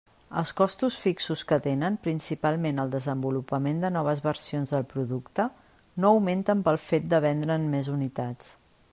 Els costos fixos que tenen, principalment el desenvolupament de noves versions del producte, no augmenten pel fet de per vendre'n més unitats.